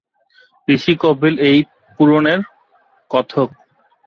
ঋষি কপিল এই পুরাণের কথক।